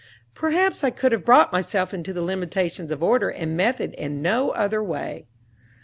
Perhaps I could have brought myself into the limitations of order and method in no other way.